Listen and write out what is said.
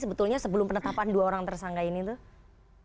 sebetulnya sebelum penetapan dua orang tersangka ini tuh